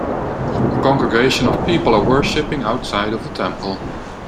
A congregation of people are worshipping outside of a temple.